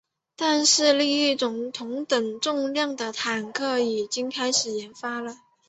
但是另一种同等重量的坦克已经开始研发了。